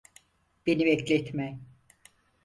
Beni bekletme.